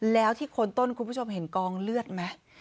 แล้วที่โคนต้นคุณผู้ชมเห็นกองเลือดไหม